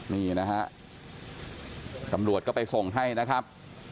นี่นะฮะตำรวจก็ไปส่งให้นะครับ